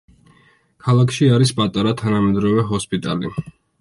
ქალაქში არის პატარა, თანამედროვე ჰოსპიტალი.